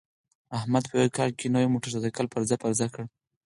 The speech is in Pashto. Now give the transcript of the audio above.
احمد په یوه کال کې نوی موټرسایکل پرزه پرزه کړ.